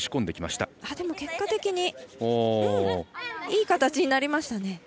でも結果的にいい形になりましたね。